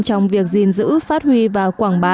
trong việc gìn giữ phát huy và quảng bá